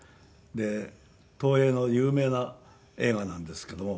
東映の有名な映画なんですけども。